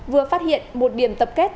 vừa phát hiện một điểm tập kết